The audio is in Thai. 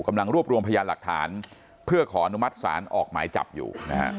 กำลังรวบรวมพยานหลักฐานเพื่อขออนุมัติศาลออกหมายจับอยู่นะฮะ